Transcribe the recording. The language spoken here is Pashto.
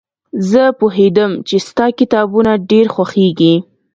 زه پوهېدم چې ستا کتابونه ډېر خوښېږي.